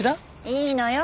いいのよ。